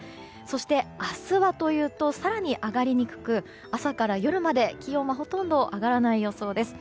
そして、明日はというと更に上がりにくく朝から夜まで、気温はほとんど上がらない予想です。